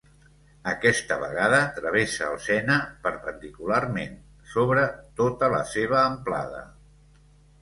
Aquesta vegada, travessa el Sena perpendicularment, sobre tota la seva amplada.